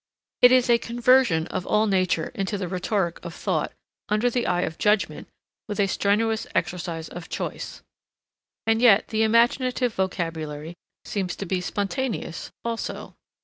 It is a conversion of all nature into the rhetoric of thought, under the eye of judgment, with a strenuous exercise of choice. And yet the imaginative vocabulary seems to be spontaneous also.